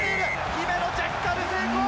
姫野、ジャッカル成功！